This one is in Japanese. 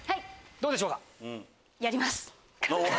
どうでしょうか？